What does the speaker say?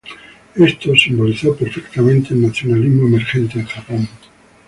Esto simbolizó perfectamente el nacionalismo emergente en Japón.